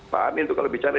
pak amin itu kalau bicara